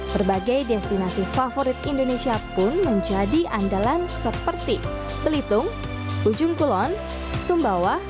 berbagai destinasi favorit indonesia pun menjadi andalan seperti belitung ujung kulon sumbawa